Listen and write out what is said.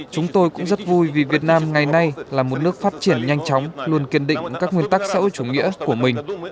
chúng tôi cũng rất vui vì việt nam ngày nay là một nước phát triển nhanh chóng luôn kiên định các nguyên tắc xã hội chủ nghĩa của mình